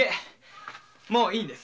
もういいんです。